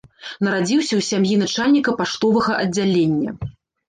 Нарадзіўся ў сям'і начальніка паштовага аддзялення.